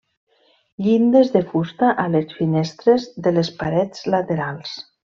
Llindes de fusta a les finestres de les parets laterals.